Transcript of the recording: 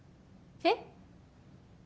えっ？